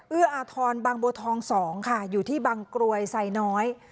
เอื้ออาทรบางบัวทอง๒ค่ะอยู่ที่บางกรวยไซน้อย